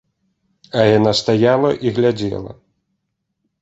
А яна стаяла і глядзела.